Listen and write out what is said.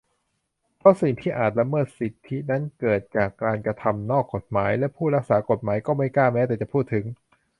เพราะสิ่งที่อาจละเมิดสิทธินั้นเกิดจากการกระทำนอกกฎหมาย และผู้รักษากฎหมายก็ไม่กล้าแม้แต่จะพูดถึง